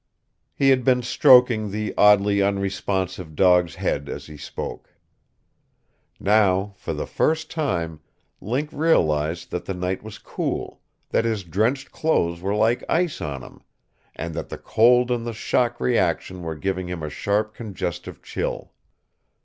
He had been stroking the oddly unresponsive dog's head as he spoke. Now, for the first time, Link realized that the night was cool, that his drenched clothes were like ice on him, and that the cold and the shock reaction were giving him a sharp congestive chill.